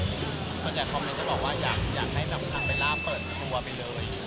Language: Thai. คนอยากคอมเมนต์จะบอกว่าอยากให้น้องคันไปลาเปิดตัวไปเลย